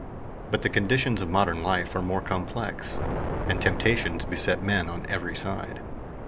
But the conditions of modern life are more complex, and temptations beset men on every side.